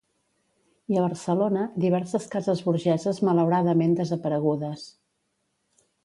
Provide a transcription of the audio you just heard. I a Barcelona, diverses cases burgeses malauradament desaparegudes.